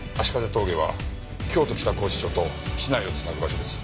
峠は京都北拘置所と市内を繋ぐ場所です。